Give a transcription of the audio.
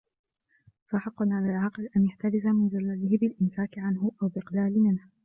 فَحَقٌّ عَلَى الْعَاقِلِ أَنْ يَحْتَرِزَ مِنْ زَلَلِهِ بِالْإِمْسَاكِ عَنْهُ أَوْ بِالْإِقْلَالِ مِنْهُ